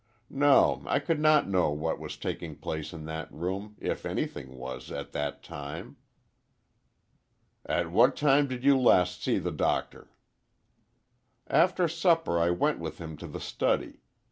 No, I could not know what was taking place in that room—if anything was, at that time." "At what time did you last see the doctor?" "After supper I went with him to the study.